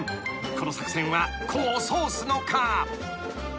この作戦は功を奏すのか？］